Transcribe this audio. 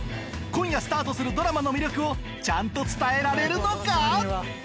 今夜スタートするドラマの魅力をちゃんと伝えられるのか？